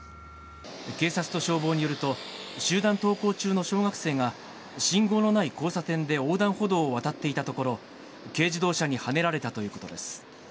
警察と消防によると、集団登校中の小学生が、信号のない交差点で横断歩道を渡っていたところ、軽自動車にはねられたということです。